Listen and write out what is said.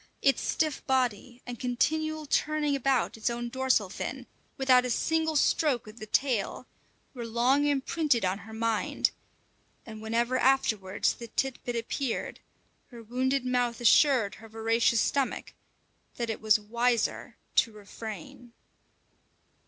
Its stiff body, and continual turning about its own dorsal fin, without a single stroke of the tail, were long imprinted on her mind; and whenever afterwards the "tit bit" appeared, her wounded mouth assured her voracious stomach that it was wiser to refrain.